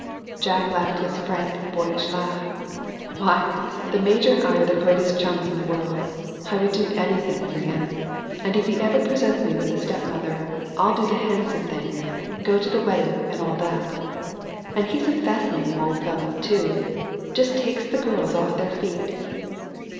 Jack laughed his frank, boyish laugh. "Why, the major and I are the greatest chums in the world. I would do anything for him. And if he ever presents me with a step mother, I'll do the handsome thing go to the wedding, and all that. And he's a fascinating old fellow, too just takes the girls off their feet."